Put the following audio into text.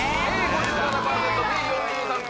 ５７％Ｂ４３％。